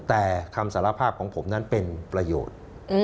แต่คำสารภาพของผมนั้นเป็นประโยชน์